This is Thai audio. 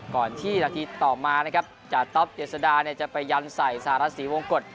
ก่อนที่รัฐศรีต่อมานะครับจากท็อปเจศดาเนี่ยจะไปยันใส่สาระศรีวงกฎ